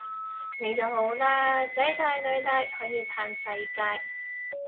你就好啦！囝大囡大可以嘆世界